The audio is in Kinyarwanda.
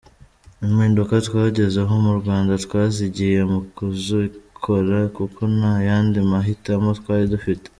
Impinduka twagezeho mu Rwanda twazigiye mu kuzikora kuko nta yandi mahitamo twari dufite .